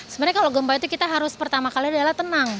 sebenarnya kalau gempa itu kita harus pertama kali adalah tenang